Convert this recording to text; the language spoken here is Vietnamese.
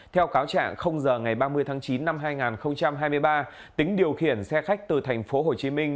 theo cáo trạng h ngày ba mươi tháng chín năm hai nghìn hai mươi ba tính điều khiển xe khách từ thành phố hồ chí minh